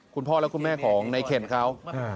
คุณพ่อและคุณแม่ของในเข็นเขา